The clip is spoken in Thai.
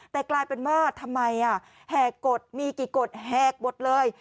แต่กลายเป็นว่าทำไมแหกกฎมีกี่กฎแหกหมดเลย